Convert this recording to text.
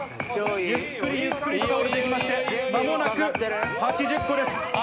ゆっくりゆっくりと倒れていきまして、まもなく８０個です。